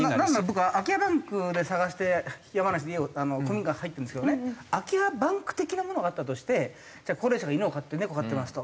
僕空き家バンクで探して山梨で家を古民家に入ってるんですけどね空き家バンク的なものがあったとしてじゃあ高齢者が犬を飼って猫を飼ってますと。